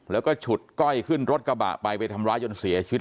แล้วก็ฉุดก้อยขึ้นรถกระบะไปไปทำร้ายจนเสียชีวิต